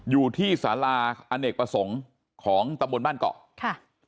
อยู่ที่สาราอเนกประสงค์ของตำบลบ้านเกาะค่ะ